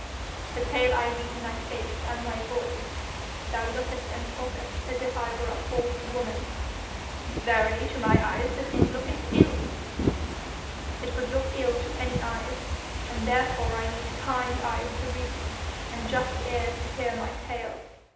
'The tale I read in thy face and thy voice. Thou lookest and talkest as if I were a false woman.' 'Verily to my eyes the thing looketh ill.' 'It would look ill to any eyes, and therefore I need kind eyes to read, and just ears to hear my tale.